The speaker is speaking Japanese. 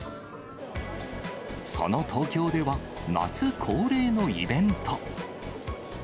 その東京では、夏恒例のイベント。